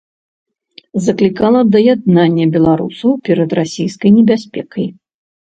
Заклікала да яднання беларусаў перад расійскай небяспекай.